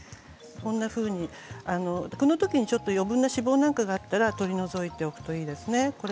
このときにちょっと余分な脂肪なんかがあったら取り除いておくといいですね。